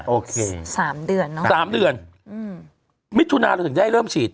โอเค๓เดือนเนอะ๓เดือนมิถุนาเราถึงได้เริ่มฉีด